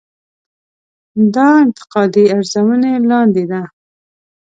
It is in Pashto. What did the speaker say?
دا انتقادي ارزونې لاندې ده.